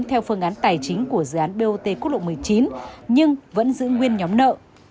theo phương án tài chính của dự án bot quốc lộ một mươi chín nhưng vẫn giữ nguyên nhóm nợ